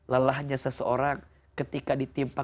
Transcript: lelahnya seseorang ketika ditimpa